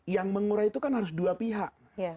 yang mengurai itu kan harus dua pihak